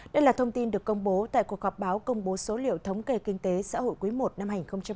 đây là thông tin được công bố tại cuộc họp báo công bố số liệu thống kê kinh tế xã hội quý i năm hai nghìn hai mươi